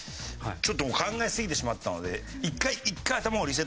ちょっと考えすぎてしまったので。